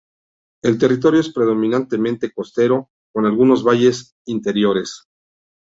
El territorio es predominantemente costero, con algunos valles interiores.